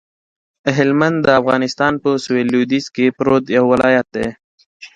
هلمند د افغانستان په سویل لویدیځ کې پروت یو ولایت دی